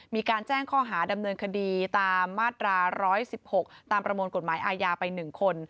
มีการแจ้งข้อหาดำเนินคดีตามมาตรา๑๑๖ตามประมวลกฎหมายอาญาไป๑คน